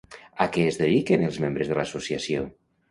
A què es dediquen els membres de l'Associació?